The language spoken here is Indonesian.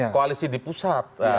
koalisi di pusat